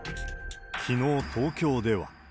きのう、東京では。